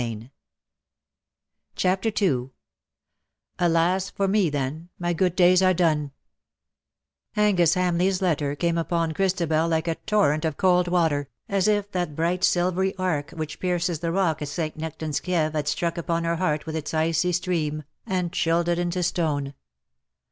IG CHAPTER IL '^ALAS FOR ME THEN,, MY GOOD DAYS ARE DONE/^ Angus Hamleigh^s letter came upon Christabel like a torrent of cold water, as if that bright silvery arc which pierces the rock at St. Nectan^s Kieve had struck upon her heart with its icy stream, and chilled it into stone.